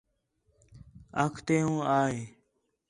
آ کِتھوں آ ہِے